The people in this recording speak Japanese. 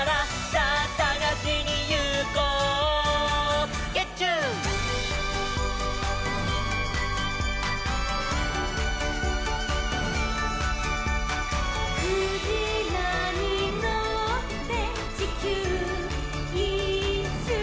「さぁさがしにいこう」「ゲッチュー」「クジラにのってちきゅういっしゅう」